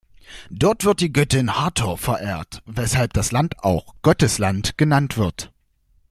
Dort wird die Göttin Hathor verehrt, weshalb das Land auch „Gottes Land“ genannt wird.